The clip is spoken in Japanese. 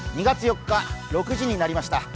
２月４日、６時になりました。